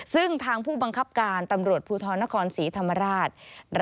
ซึ่งทางผู้บังคับการตำรวจภูทรนครศรีธรรมราช